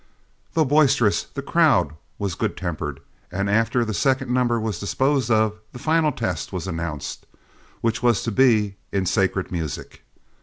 Though boisterous, the crowd was good tempered, and after the second number was disposed of, the final test was announced, which was to be in sacred music.